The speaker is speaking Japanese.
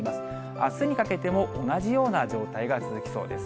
あすにかけても同じような状態が続きそうです。